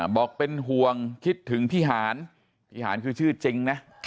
บอกเป็นห่วงคิดถึงพิหารพิหารคือชื่อจริงนะ